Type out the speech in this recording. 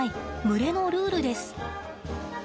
群れのルールです。